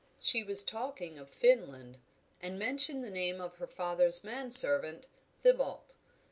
She was talking of Finland, and mentioned the name of her father's man servant, Thibaut.